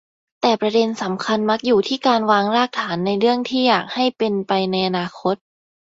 แต่ประเด็นสำคัญมักอยู่ที่การวางรากฐานในเรื่องที่อยากให้เป็นไปในอนาคต